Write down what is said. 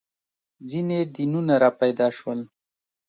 • ځینې دینونه راپیدا شول.